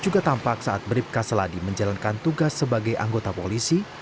ketampak saat bribka seladi menjalankan tugas sebagai anggota polisi